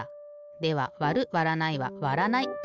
ではわるわらないはわらないだな。